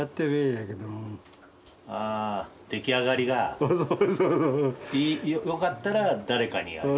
ああ出来上がりが良かったら誰かにあげる。